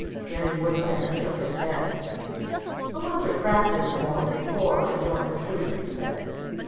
Reddy Woodpecker shook his head. "I want to practice more, before I join a troupe," he said.